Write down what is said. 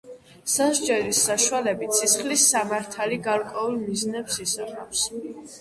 სასჯელის საშუალებით სისხლის სამართალი გარკვეულ მიზნებს ისახავს.